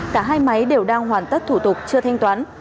cả hai máy đều đang hoàn tất thủ tục chưa thanh toán